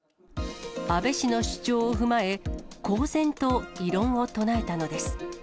安倍氏の主張を踏まえ、公然と異論を唱えたのです。